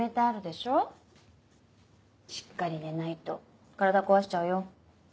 しっかり寝ないと体こわしちゃうよ。